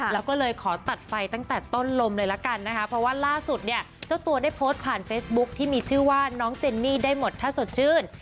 แล้วก็เลยขอตัดไฟตั้งแต่ต้นลมเลยละกันนะคะเพราะว่าล่าสุดเนี่ยเจ้าตัวได้โพสต์ผ่านเฟซบุ๊คที่มีชื่อว่าน้องเจนนี่ได้หมดถ้าสดชื่น